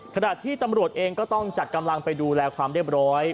ขณะที่ตำรวจเองก็ต้องจัดกำลังไปดูแลความเรียบร้อย